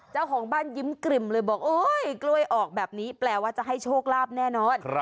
เจ้าของบ้านยิ้มกลิ่มเลยบอกโอ๊ยกล้วยออกแบบนี้แปลว่าจะให้โชคลาภแน่นอน